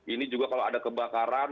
ini juga kalau ada kebakaran